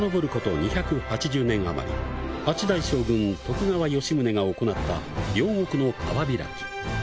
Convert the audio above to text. ２８０年あまり、８代将軍、徳川吉宗が行った両国の川開き。